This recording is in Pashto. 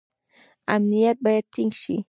امنیت باید ټینګ شي